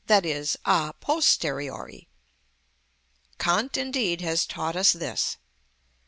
_, a posteriori. Kant indeed has taught us this.